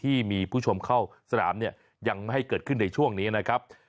ที่มีผู้ชมเข้าสนามเนี่ยยังไม่ให้เกิดขึ้นในช่วงนี้นะครับ